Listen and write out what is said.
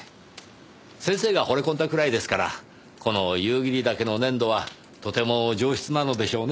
先生が惚れ込んだくらいですからこの夕霧岳の粘土はとても上質なのでしょうね。